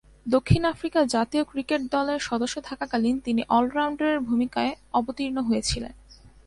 দক্ষিণ আফ্রিকা জাতীয় ক্রিকেট দলের সদস্য থাকাকালীন তিনি অল-রাউন্ডারের ভূমিকায় অবতীর্ণ হয়েছিলেন।